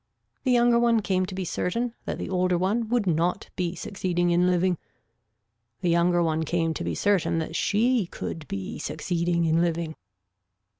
The younger one came to be certain that the older one would not be succeeding in living. The younger one came to be certain that she could be succeeding in living.